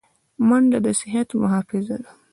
منډه د صحت محافظه ده